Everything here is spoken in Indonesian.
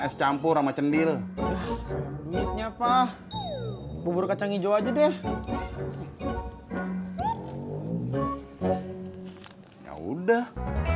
es campur sama cendil kunyitnya pak bubur kacang hijau aja deh ya udah